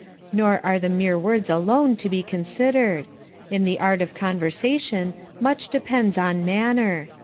Nor are the mere words alone to be considered. In the art of conversation much depends upon manner.